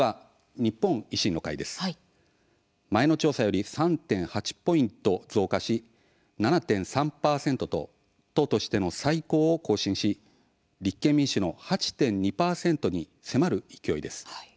衆院選の１週間前に行った調査より前の調査より３．８ポイント増加し７．３％と党としての最高を更新し立憲民主の８．２％に迫る勢いです。